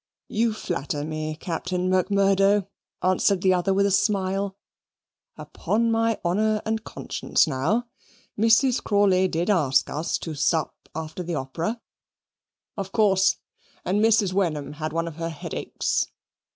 "You flatter me, Captain Macmurdo," answered the other with a smile. "Upon my honour and conscience now, Mrs. Crawley did ask us to sup after the opera." "Of course; and Mrs. Wenham had one of her head aches.